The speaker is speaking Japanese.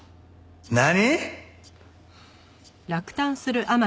何！？